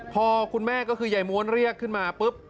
พอคุณแม่ก็คือยายม้วนเรียกขึ้นมาปุ๊บ